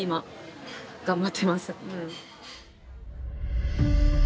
今頑張ってます。